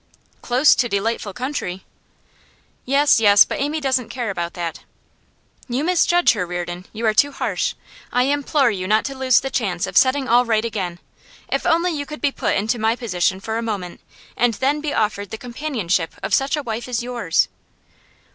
'Close to delightful country.' 'Yes, yes; but Amy doesn't care about that.' 'You misjudge her, Reardon. You are too harsh. I implore you not to lose the chance of setting all right again! If only you could be put into my position for a moment, and then be offered the companionship of such a wife as yours!